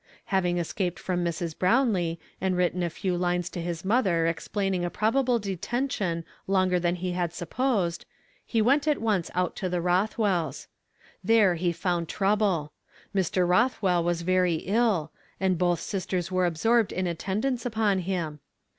Having escaped from Mi s. Brownlee, and written a few lines to his mother explaining a probable detention longer than he had supposed, he went at once out to the Rotbwells'. There he found trouble. Mr. Rothwell was very ill, and both sistei s were absorbed in attendance upon him.